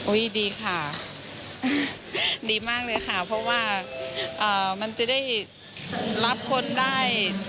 ดีค่ะดีมากเลยค่ะเพราะว่ามันจะได้รับคนได้